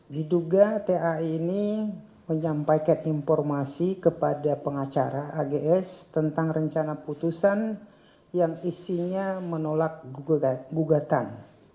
diduga tai ini menyampaikan informasi kepada pengacara ags tentang rencana putusan yang isinya menolak gugatan